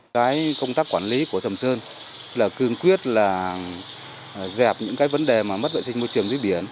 cái công tác quản lý của sầm sơn là cương quyết là dẹp những cái vấn đề mà mất vệ sinh môi trường dưới biển